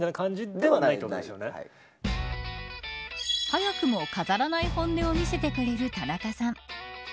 早くも、飾らない本音を見せてくれる田中さん。